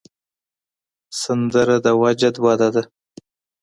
سندره د وجد وده ده